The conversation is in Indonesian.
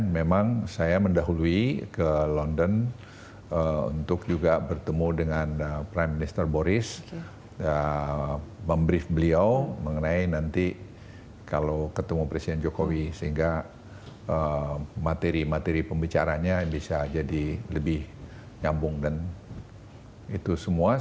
memang saya mendahului ke london untuk juga bertemu dengan prime minister boris memberif beliau mengenai nanti kalau ketemu presiden jokowi sehingga materi materi pembicaranya bisa jadi lebih nyambung dan itu semua